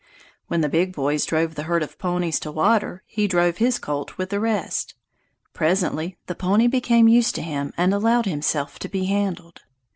When the big boys drove the herd of ponies to water, he drove his colt with the rest. Presently the pony became used to him and allowed himself to be handled.